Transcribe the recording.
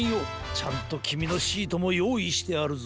ちゃんときみのシートもよういしてあるぞ。